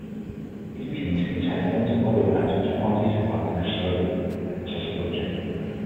These machines can use headphones and other adaptive technology to provide the necessary accessibility.